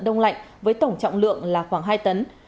đông lạnh với tổng trọng lượng là khoảng hai tấn